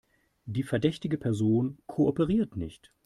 Die verdächtige Person kooperiert nicht.